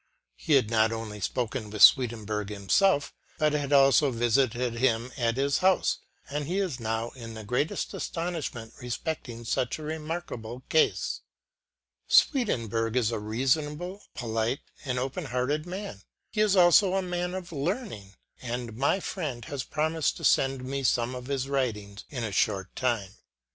He had not only spoken with Swedenborg himself, but had also visited him at his house ; and he is now in the greatest astonishment respecting such a remarkable case. Swedenborg is a reasonable, polite, and open hearted man ; he is also a man of learning ; and my friend has promised to send me some of his writings in a short time.